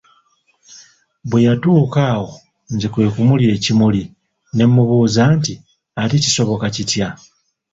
Bwe yatuuka awo nze kwe kumulya ekimuli ne mmubuuza nti ate kisoboka kitya?